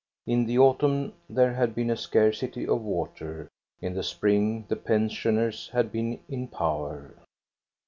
In the autumn there had been a scarcity of water, in the spring the pensioners had been in power.